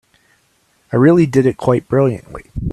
I really did it quite brilliantly.